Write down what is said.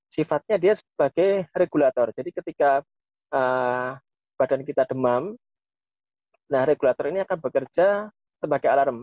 sifatnya dia sebagai regulator jadi ketika badan kita demam nah regulator ini akan bekerja sebagai alarm